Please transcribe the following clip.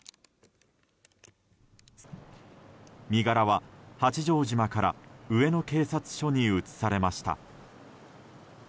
身柄は八丈島から上野警察署に移されました。